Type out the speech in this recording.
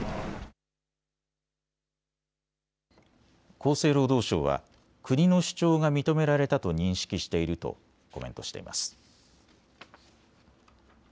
厚生労働省は国の主張が認められたと認識しているとコメントしています。